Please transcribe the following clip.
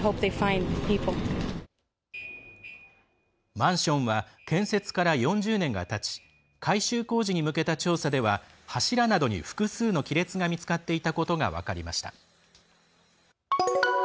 マンションは建設から４０年がたち改修工事に向けた調査では柱などに複数の亀裂が見つかっていたことが分かりました。